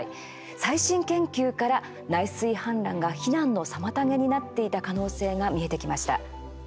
最新研究から、内水氾濫が避難の妨げになっていた可能性が見えてきました。